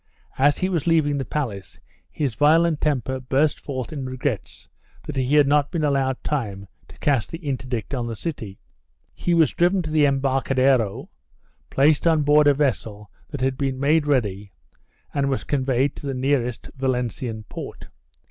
As he was leaving the palace, his violent temper burst forth in regrets that he had not been allowed time to cast the interdict on the city. He was driven to the embarcadero, placed on board a vessel that had been made ready and was conveyed to the nearest Valencian port.